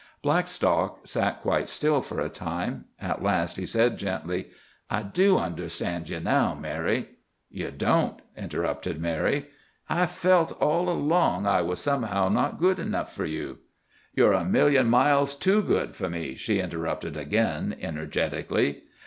Blackstock sat quite still for a time. At last he said gently: "I do understand ye now, Mary." "You don't," interrupted Mary. "I felt, all along, I was somehow not good enough for you." "You're a million miles too good for me," she interrupted again, energetically.